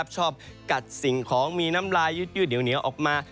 ชอบกัดสิ่งของมีน้ำลายยืดเหนียวออกมา